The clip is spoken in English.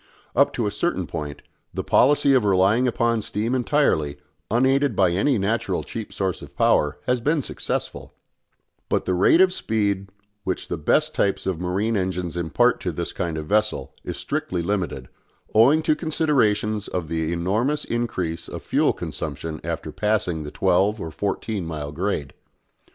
Up to a certain point, the policy of relying upon steam entirely, unaided by any natural cheap source of power, has been successful; but the rate of speed which the best types of marine engines impart to this kind of vessel is strictly limited, owing to considerations of the enormous increase of fuel consumption after passing the twelve or fourteen mile grade.